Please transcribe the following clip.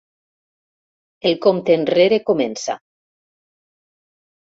El compte enrere comença.